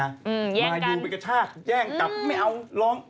มายูไปกระชากแย่งกลับไม่เอาร้อง